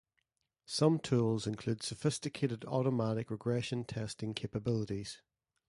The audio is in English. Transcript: Some tools include sophisticated automatic regression testing capabilities.